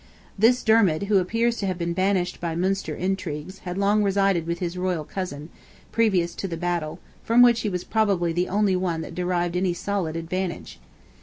This Dermid, who appears to have been banished by Munster intrigues, had long resided with his royal cousin, previous to the battle, from which he was probably the only one that derived any solid advantage.